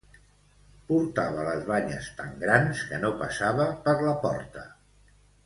Portava les banyes tan grans que no passava per la porta